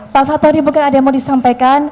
pak fatori mungkin ada yang mau disampaikan